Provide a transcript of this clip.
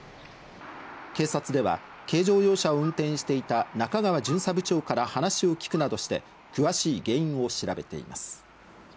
警察では軽乗用車を運転していた中川巡査部長から話を聞くなどして詳しい原因を調べています。